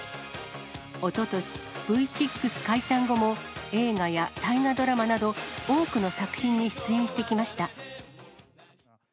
おととし、Ｖ６解散後も、映画や大河ドラマなど、多くの作品に出演してきました。